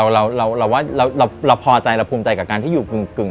เราว่าเราพอใจเราภูมิใจกับการที่อยู่กึ่ง